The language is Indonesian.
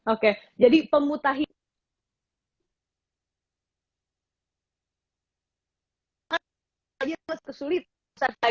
oke jadi pemutahi